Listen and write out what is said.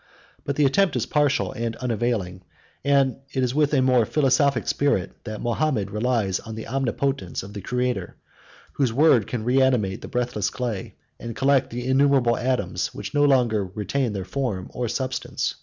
But the attempt is partial and unavailing; and it is with a more philosophic spirit that Mahomet relies on the omnipotence of the Creator, whose word can reanimate the breathless clay, and collect the innumerable atoms, that no longer retain their form or substance.